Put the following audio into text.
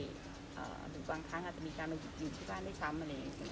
หรือบางครั้งอาจจะมีการมาอยู่ที่บ้านด้วยซ้ำอะไรอย่างนี้